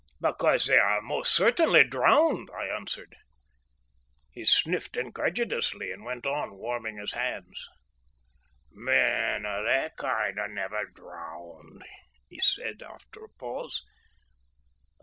"Because they are most certainly drowned," I answered. He sniffed incredulously and went on warming his hands. "Men of that kind are never drowned," he said, after a pause.